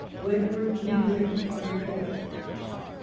Wentworth knew that it required both.